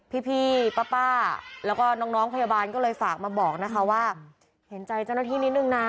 พี่ป้าแล้วก็น้องพยาบาลก็เลยฝากมาบอกนะคะว่าเห็นใจเจ้าหน้าที่นิดนึงนะ